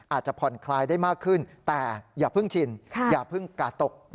อาจจะผ่อนคลายได้มากขึ้นแต่อย่าเพิ่งชินอย่าเพิ่งกาดตก